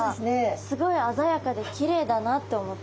すごい鮮やかできれいだなって思って。